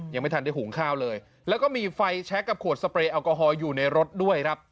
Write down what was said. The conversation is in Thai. ยังไม่ทันได้หุงข้าวเลยแล้วก็มีไฟแชคกับขวดสเปรยแอลกอฮอลอยู่ในรถด้วยครับ